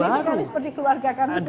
dan ini kami seperti keluarga kami sendiri